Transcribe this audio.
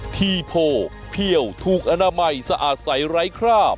ทีโพเพี่ยวถูกอนามัยสะอาดใสไร้คราบ